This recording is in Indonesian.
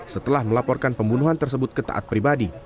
setelah melaporkan pembunuhan tersebut ke taat pribadi